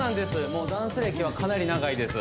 もうダンス歴はかなり長いです